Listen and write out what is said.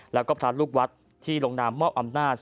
แล้วก็พระลูกวัดที่ลงนามมอบอำนาจ